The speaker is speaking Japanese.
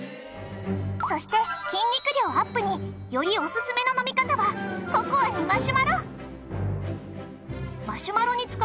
そして筋肉量アップによりおすすめの飲み方はココアにマシュマロ！